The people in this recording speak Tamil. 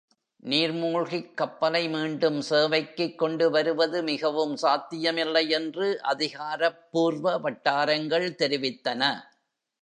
நீர்மூழ்கிக் கப்பலை மீண்டும் சேவைக்கு கொண்டுவருவது மிகவும் சாத்தியமில்லை என்று அதிகாரப்பூர்வ வட்டாரங்கள் தெரிவித்தன.